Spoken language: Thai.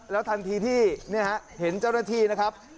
เจ้าหน้าที่เห็นเจ้าหน้าที่นะครับ